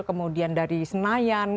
kemudian dari senayan